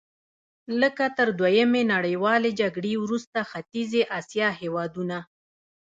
لکه تر دویمې نړیوالې جګړې وروسته ختیځې اسیا هېوادونه.